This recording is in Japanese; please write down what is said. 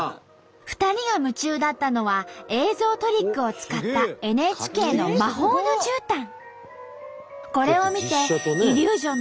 ２人が夢中だったのは映像トリックを使ったＮＨＫの「魔法のじゅうたん」。